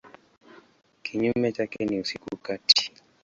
Kinyume chake ni usiku kati.